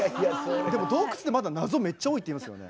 でも洞窟ってまだ謎めっちゃ多いっていいますよね。